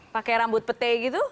pakai rambut petai gitu